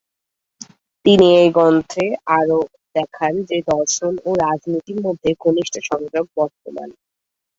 তিনি এই গ্রন্থে আরো দেখান যে দর্শন ও রাজনীতির মধ্যে ঘনিষ্ঠ সংযোগ বর্তমান।